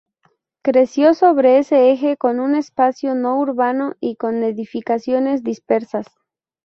Creció sobre ese eje como un espacio no urbano y con edificaciones dispersas.